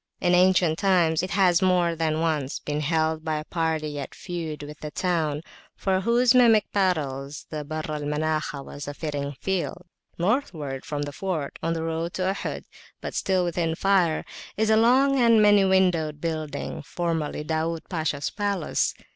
In ancient times it has more than once been held by a party at feud with the town, for whose mimic battles the Barr al Manakhah was a fitting field. Northward from the fort, on the road to Ohod, but still within fire, is a long many windowed building, formerly Da'ud Pasha's palace.